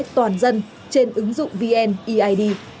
toàn dân trên ứng dụng vneid